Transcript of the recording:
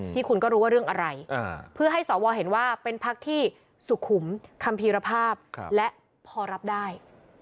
ที่คุณก็รู้ว่าเรื่องอะไรเพื่อให้สวเห็นว่าเป็นพักที่สุขุมคัมภีรภาพและพอรับได้